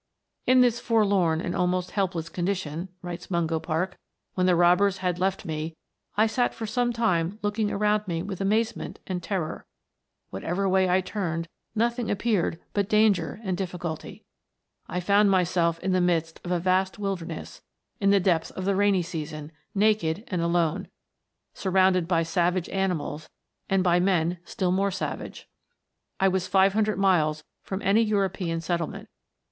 " In this forlorn and almost helpless condition," writes Mungo Park, " when the robbers had left me, I sat for some time looking around me with amazement and terror; whatever way I turned, nothing appeared but danger and difficulty. I found myself in the midst of a vast wilderness, in the depth of the rainy season, naked and alone, sur rounded by savage animals, and by men still more B 242 WONDERFUL PLANTS. savage. I was five hundred miles from any Euro pean settlement.